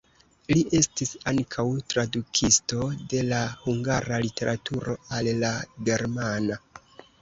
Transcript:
Li estis ankaŭ tradukisto de la hungara literaturo al la germana.